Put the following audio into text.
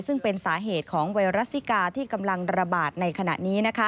ซึ่งเป็นสาเหตุของไวรัสซิกาที่กำลังระบาดในขณะนี้